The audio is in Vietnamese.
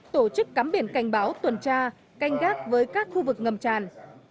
tổ chức cắm biển cảnh báo tuần tra canh gác với các khu vực ngầm tràn